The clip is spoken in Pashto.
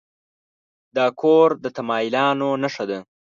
دا کور د تمایلاتو نښه ده.